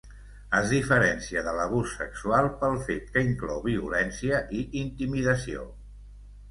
Es diferencia de l'abús sexual pel fet que inclou violència i intimidació.